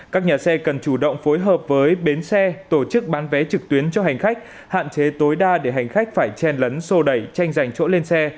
các nhà xe cần chủ động phối hợp với bến xe tổ chức bán vé trực tuyến cho hành khách hạn chế tối đa để hành khách phải chen lấn sô đẩy tranh giành chỗ lên xe